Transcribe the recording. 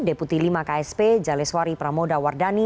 deputi lima ksp jaleswari pramoda wardani